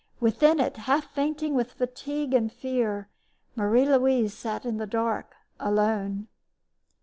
Within it, half fainting with fatigue and fear, Marie Louise sat in the dark, alone.